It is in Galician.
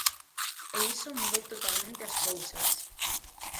E iso mudou totalmente as cousas.